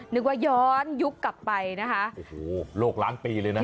นึกว่าย้อนยุคกลับไปนะคะโอ้โหโลกล้านปีเลยนะ